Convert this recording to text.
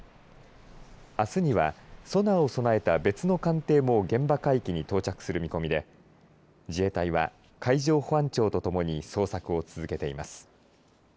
あすには、ソナーを備えた別の艦艇も現場海域に到着する見込みで自衛隊は海上保安庁と共に捜索を続けています。